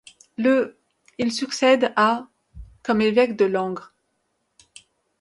Le il succède à comme évêque de Langres.